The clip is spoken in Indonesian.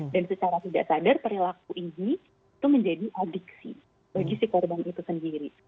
dan secara tidak sadar perilaku ini itu menjadi adiksi bagi si korban itu sendiri